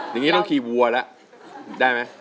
ตอนนี้ต้องขี่วัวล่ะได้หมั้ย